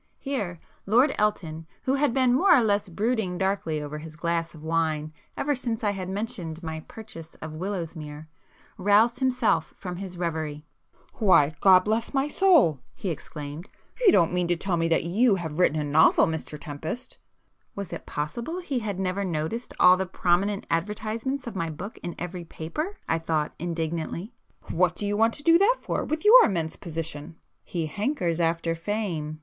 Here Lord Elton who had been more or less brooding darkly over his glass of wine ever since I had mentioned my purchase of Willowsmere, roused himself from his reverie. "Why, God bless my soul!" he exclaimed—"You don't mean to tell me you have written a novel Mr Tempest?" (Was it possible he had never noticed all the prominent advertisements of my book in every paper, I thought indignantly!) "What do you want to do that for, with your immense position?" [p 140]"He hankers after fame!"